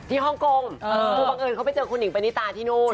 ฮ่องกงคือบังเอิญเขาไปเจอคุณหญิงปณิตาที่นู่น